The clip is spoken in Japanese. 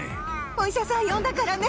お医者さん呼んだからね。